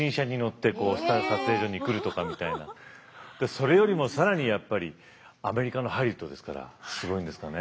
それよりも更にやっぱりアメリカのハリウッドですからすごいんですかね？